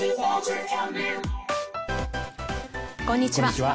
こんにちは。